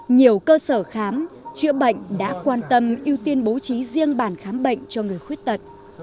nhiều cơ sở khám chữa bệnh đã quan tâm ưu tiên bố trí riêng bản khám bệnh cho người khuyết tật